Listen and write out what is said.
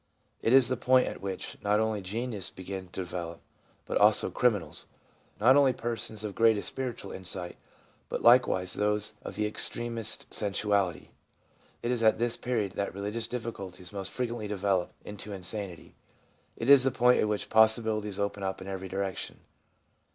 It is the point at which not only geniuses begin to develop, but also criminals ; not only persons of greatest spiritual insight, but likewise those of the extremest sensuality. It is at this period that religious difficulties most frequently develop into insanity. It is the point at which possibilities open up in every direction.